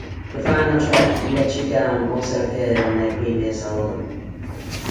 The final track, "Let You Down," also appeared on their previous album.